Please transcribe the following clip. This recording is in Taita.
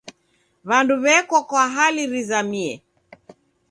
W'andu w'eko kwa hali rizamie.